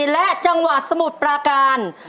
และจังหวัดสมุทรปราการ